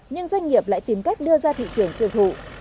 nhưng doanh nghiệp lại tìm cách đưa ra thị trường tiêu thụ